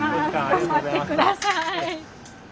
頑張ってください。